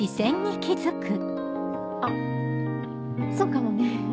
あそうかもね。